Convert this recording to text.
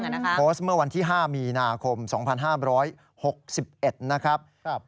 โพสต์เมื่อวันที่๕มีนาคม๒๕๖๑นะครับ